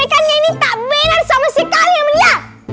ini kan yang ini tak benar sama si kalian lihat